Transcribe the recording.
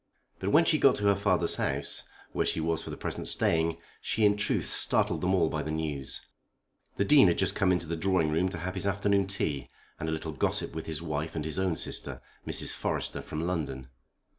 But when she got to her father's house, where she was for the present staying, she in truth startled them all by the news. The Dean had just come into the drawing room to have his afternoon tea and a little gossip with his wife and his own sister, Mrs. Forrester, from London.